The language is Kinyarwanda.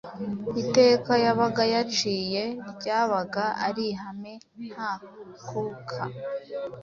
Iteka yabaga yaciye ryabaga ari ihame ntakuka,